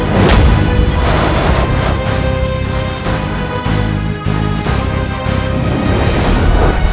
kau akan menang